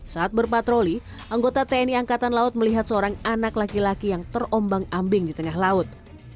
saat berpatroli anggota tni angkatan laut melihat seorang anak laki laki yang terombang ambing di tengah laut